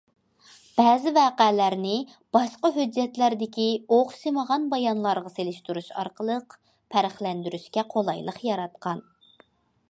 بەزى ۋەقەلەرنى باشقا ھۆججەتلەردىكى ئوخشىمىغان بايانلارغا سېلىشتۇرۇش ئارقىلىق، پەرقلەندۈرۈشكە قولايلىق ياراتقان.